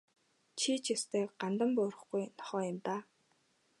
Чи ч ёстой гандан буурахгүй нохой юм даа.